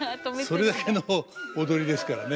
それだけの踊りですからね。